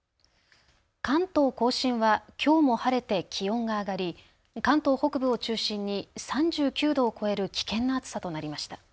関東甲信はきょうも晴れて気温が上がり関東北部を中心に３９度を超える危険な暑さとなりました。